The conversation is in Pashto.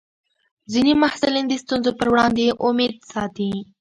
ځینې محصلین د ستونزو پر وړاندې امید ساتي.